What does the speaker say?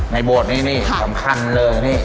โบสถ์นี้นี่สำคัญเลยนี่